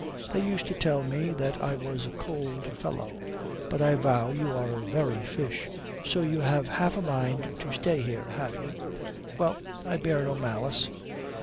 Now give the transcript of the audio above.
"They used to tell me that I was a cold fellow. But I vow you are a very fish. So you have half a mind to stay here, have you? Well, I bear no malice."